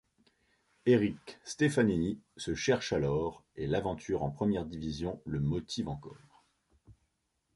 Éric Stefanini se cherche alors et l'aventure en première division le motive encore.